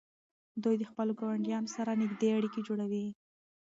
دوی د خپلو ګاونډیانو سره نږدې اړیکې جوړوي.